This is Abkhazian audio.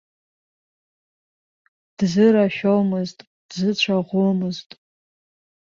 Дзырашәомызт, дзыцәаӷәомызт.